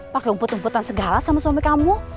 pake umpet umpetan segala sama suami kamu